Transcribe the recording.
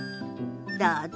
どうぞ。